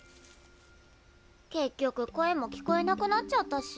結局声も聞こえなくなっちゃったし。